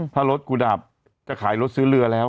ถ้ารถกูดับจะขายรถซื้อเรือแล้ว